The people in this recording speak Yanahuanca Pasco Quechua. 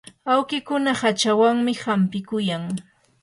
awkikuna hachawanmi hampikuyan.